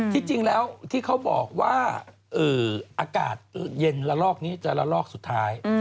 ที่จริงแล้วที่เขาบอกว่าอากาศเย็นระลอกนี้จะละลอกสุดท้าย